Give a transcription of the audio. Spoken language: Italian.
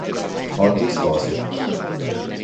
Oggi sposi